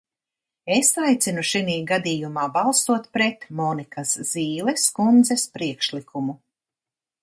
Es aicinu šinī gadījumā balsot pret Monikas Zīles kundzes priekšlikumu.